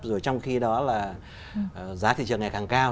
rồi trong khi đó là giá thị trường ngày càng cao